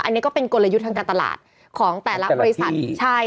อันนี้ก็เป็นกลยุทธ์ทางการตลาดของแต่ละบริษัทใช่